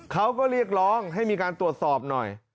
เขาก็เรียกร้องให้มีการตรวจสอบหน่อย